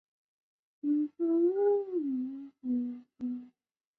罗蒙诺索夫海岭是一条位于北冰洋洋底的海底山脉。